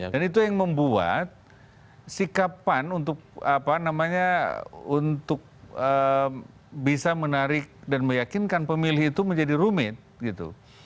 dan itu yang membuat sikap pan untuk bisa menarik dan meyakinkan pemilih itu menjadi rumit